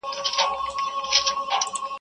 مُلا دي لولي زه سلګۍ درته وهمه.